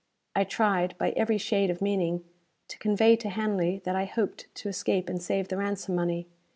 I tried, by every shade of meaning, to convey to Hanley that I hoped to escape and save the ransom money.